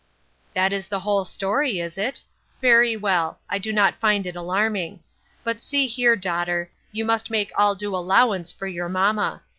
" That is the whole story, is it ? Very well ; I do not find it alarming. But, see here, daughter, you must make all due allowance for your mamma.